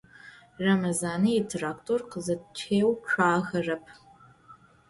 Рэмэзанэ итрактор къызэтеуцуахэрэп.